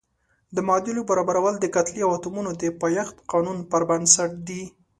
د معادلو برابرول د کتلې او اتومونو د پایښت قانون پر بنسټ دي.